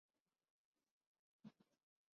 اور کئی ایک اچھے پلئیرز دیے ہیں۔